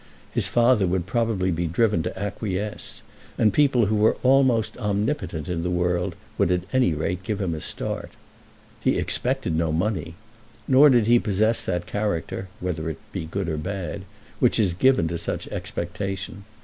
His father would probably be driven to acquiesce, and people who were almost omnipotent in the world would at any rate give him a start. He expected no money; nor did he possess that character, whether it be good or bad, which is given to such expectation.